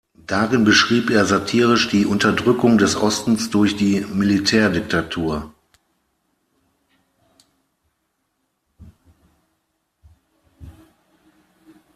Darin beschrieb er satirisch die Unterdrückung des Ostens durch die Militärdiktatur.